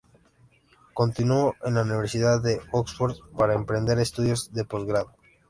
Continuó en la Universidad de Oxford para emprender estudios de posgrado.